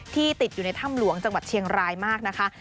ติดอยู่ในถ้ำหลวงจังหวัดเชียงรายมากนะคะ